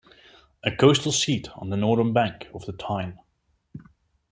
A coastal seat on the northern bank of the Tyne.